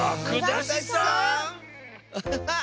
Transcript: アハハッ！